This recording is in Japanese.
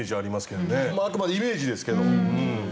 あくまでイメージですけど。